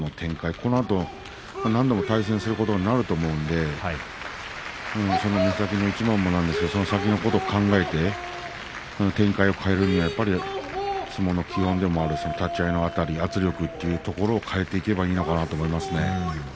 このあと何度も展開するということになるので先のことを考えると展開を変えるには相撲の基本でもある立ち合いのあたり、圧力というところを変えていけばいいのかなと思いますね。